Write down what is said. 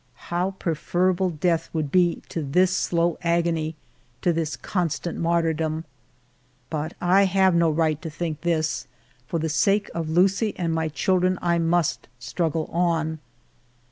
How preferable death would be to this slow agony, to this constant martyrdom ! But I have no right to think this; for the sake of Lucie and my children I must struggle on.